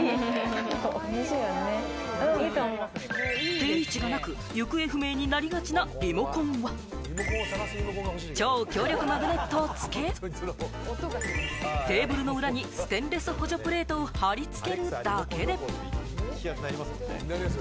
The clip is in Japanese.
定位置がなく、行方不明になりがちなリモコンは、超強力マグネットを付け、テーブルの裏にステンレス補助プレートを貼り付けるだけで。